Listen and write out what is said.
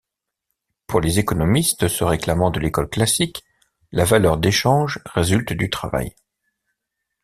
Pour les économistes se réclamant de l'école classique la valeur d'échange résulte du travail.